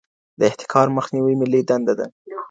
د احتکار مخنیوی ملي دنده ده.